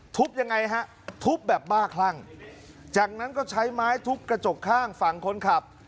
ยังไงฮะทุบแบบบ้าคลั่งจากนั้นก็ใช้ไม้ทุบกระจกข้างฝั่งคนขับ